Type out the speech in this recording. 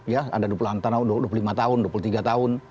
ya ada dua puluh lima tahun dua puluh tiga tahun